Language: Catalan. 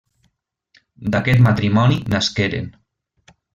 D'aquest matrimoni nasqueren: